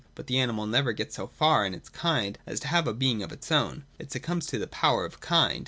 But the animal never gets so far in its Kind as to have a being of its own ; it succumbs to the power of Kind.